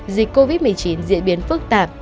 dịch covid một mươi chín diễn biến phức tạp